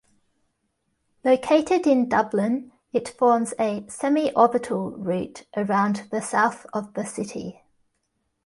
Located in Dublin, it forms a "semi-orbital" route around the south of the city.